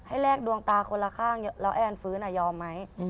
แลกดวงตาคนละข้างแล้วแอนฟื้นยอมไหม